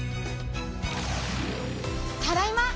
ただいま。